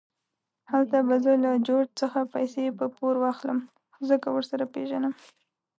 هلته به زه له جورج څخه پیسې په پور واخلم، ځکه ورسره پېژنم.